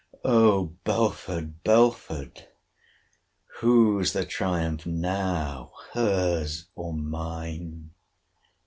—— O Belford! Belford! whose the triumph now! HER'S, or MINE?